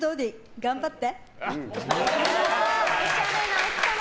頑張って！